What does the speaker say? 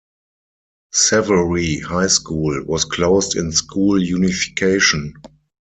Severy High School was closed in school unification.